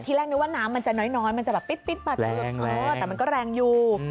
ที่แรกน่าจะน้ำน้อยมันจะติ๊ดแต่มันก็แรงอยู่